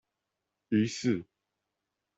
於是